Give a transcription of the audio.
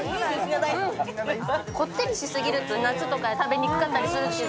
こってりしすぎると夏とか食べにくかったりするし。